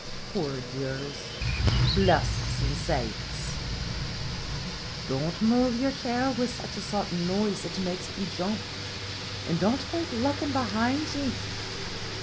Poor dears ! Bless us and save us ! don't move your chair with such a sudden noise, it makes me jump ; an' don't kape lookin' behind ye